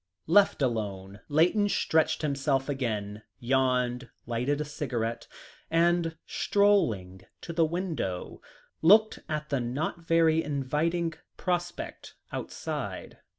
Left alone, Layton stretched himself again, yawned, lighted a cigarette, and, strolling to the window, looked at the not very inviting prospect outside.